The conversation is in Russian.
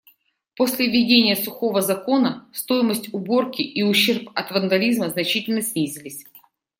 После введения сухого закона стоимость уборки и ущерб от вандализма значительно снизились.